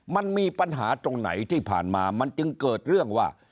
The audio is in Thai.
มันมีปัญหาตรงไหนที่ผ่านมามันจึงเกิดเรื่องว่า